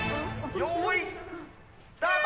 よーい、スタート！